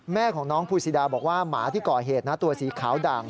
แม่ของน้องภูซิดาบอกว่าหมาที่ก่อเหตุนะตัวสีขาวด่าง